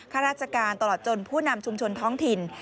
ข้าราชการตลอดจนผู้นำชุมชนท้องถิ่น